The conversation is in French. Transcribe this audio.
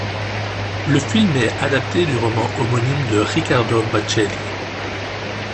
Le film est adapté du roman homonyme de Riccardo Bacchelli.